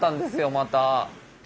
また。